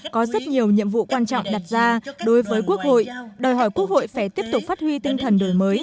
có rất nhiều nhiệm vụ quan trọng đặt ra đối với quốc hội đòi hỏi quốc hội phải tiếp tục phát huy tinh thần đổi mới